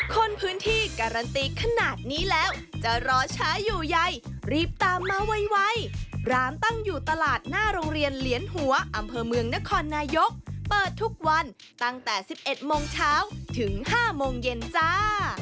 คนพื้นที่การันตีขนาดนี้แล้วจะรอช้าอยู่ใยรีบตามมาไวร้านตั้งอยู่ตลาดหน้าโรงเรียนเหลียนหัวอำเภอเมืองนครนายกเปิดทุกวันตั้งแต่๑๑โมงเช้าถึง๕โมงเย็นจ้า